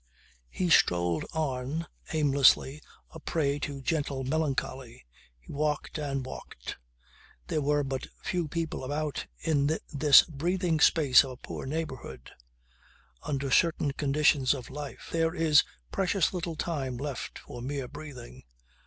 He strolled on aimlessly a prey to gentle melancholy. He walked and walked. There were but few people about in this breathing space of a poor neighbourhood. Under certain conditions of life there is precious little time left for mere breathing.